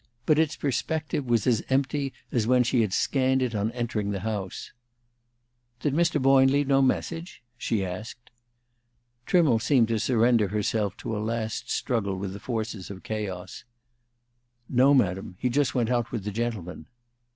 But its perspective was as empty as when she had scanned it on entering the house. "Did Mr. Boyne leave no message?" she asked. Trimmle seemed to surrender herself to a last struggle with the forces of chaos. "No, Madam. He just went out with the gentleman."